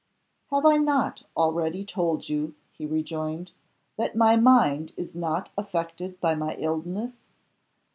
"Have I not already told you," he rejoined, "that my mind is not affected by my illness?